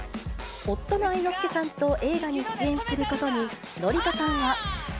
夫の愛之助さんと映画に出演することに紀香さんは。